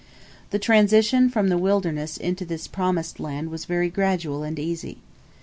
The transition from the wilderness into this Promised Land was very gradual and easy.